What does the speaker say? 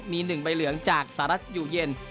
มี๑ใบเหลืองจากสหรัฐอยู่เย็น